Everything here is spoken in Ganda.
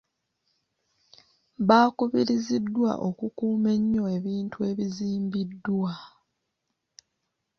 Baakubiriziddwa okukuuma ennyo ebintu ebizimbiddwa.